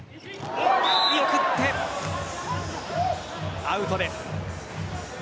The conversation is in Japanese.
見送ってアウトです。